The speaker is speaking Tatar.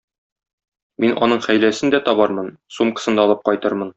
Мин аның хәйләсен дә табармын, сумкасын да алып кайтырмын.